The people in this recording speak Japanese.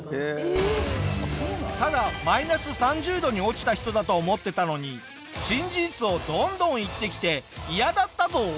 ただマイナス３０度に落ちた人だと思ってたのに新事実をどんどん言ってきて嫌だったぞ。